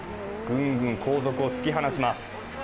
グングン後続を突き放します。